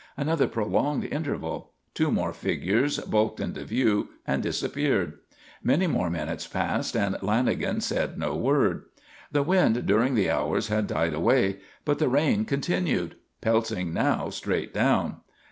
Another prolonged interval. Two more figures bulked into view and disappeared. Many more minutes passed and Lanagan said no word. The wind during the hours had died away, but the rain continued, pelting now straight down.